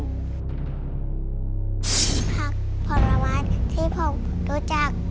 ผักผลไม้ที่ผมรู้จัก